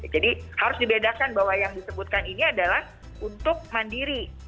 jadi harus dibedakan bahwa yang disebutkan ini adalah untuk mandiri